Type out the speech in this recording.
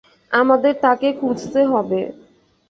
আমাদের তাকে খুঁজতে হবে।